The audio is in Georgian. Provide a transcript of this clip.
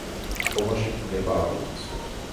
წყობაში გვხვდება აგურიც.